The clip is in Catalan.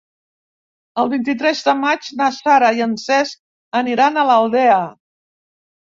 El vint-i-tres de maig na Sara i en Cesc aniran a l'Aldea.